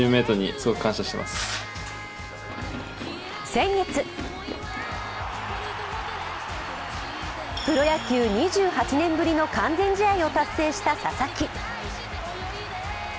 先月、プロ野球２８年ぶりの完全試合を達成した佐々木。